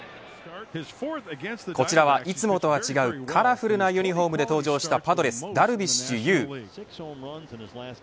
こちらはいつもとは違うカラフルなユニホームで登場したパドレス、ダルビッシュ有。